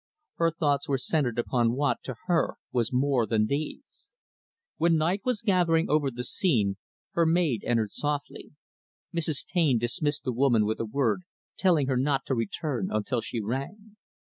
Her thoughts were centered upon what, to her, was more than these. When night was gathering over the scene, her maid entered softly. Mrs. Taine dismissed the woman with a word, telling her not to return until she rang.